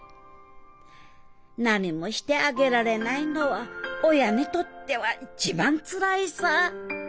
何もしてあげられないのは親にとっては一番つらいさぁ。